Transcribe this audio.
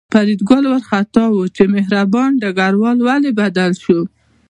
فریدګل وارخطا و چې مهربان ډګروال ولې بدل شو